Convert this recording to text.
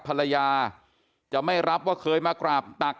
เพราะทนายอันนันชายชายเดชาบอกว่าจะเป็นการเอาคืนยังไง